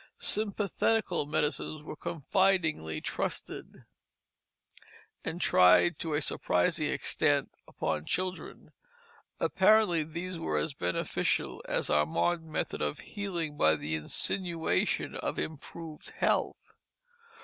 "Sympathetical" medicines were confidingly trusted, and tried to a surprising extent upon children; apparently these were as beneficial as our modern method of healing by the insinuation of improved health.